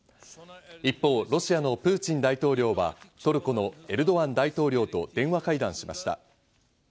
一方、ロシアのプーチン大統領はトルコのエルドアン大統領と電話会談しました。